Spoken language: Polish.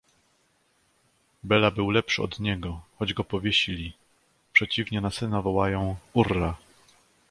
"Bela był lepszy od niego, choć go powiesili; przeciwnie na syna wołają: urra!"